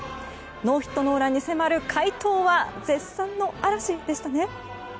ノーヒットノーランに迫る快投は絶賛の嵐でしたね。